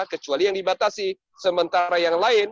kecuali yang dibatasi sementara yang lain